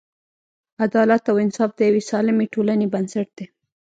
عدالت او انصاف د یوې سالمې ټولنې بنسټ دی.